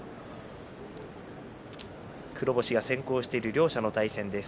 黒星が先行している両者の対戦です。